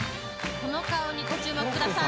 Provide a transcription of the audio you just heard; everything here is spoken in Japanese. この顔にご注目ください」